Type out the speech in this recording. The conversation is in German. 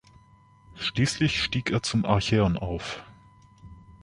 Schließlich stieg er zum Archäon auf.